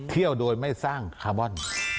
เที่ยวโดยไม่สร้างคาร์บอน